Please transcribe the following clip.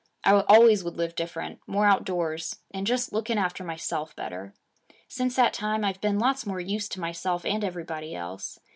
I always would live different more outdoors, and just looking after myself better. Since that time, I've been lots more use to myself and everybody else.